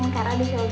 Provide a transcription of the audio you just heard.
karena udah shogun